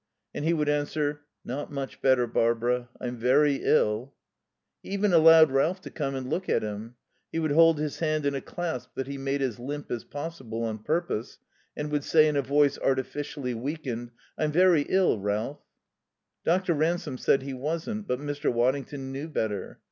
And he would answer: "Not much better, Barbara. I'm very ill." He even allowed Ralph to come and look at him. He would hold his hand in a clasp that he made as limp as possible, on purpose, and would say in a voice artificially weakened: "I'm very ill, Ralph." Dr. Ransome said he wasn't; but Mr. Waddington knew better.